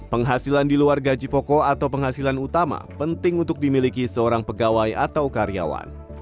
penghasilan di luar gaji pokok atau penghasilan utama penting untuk dimiliki seorang pegawai atau karyawan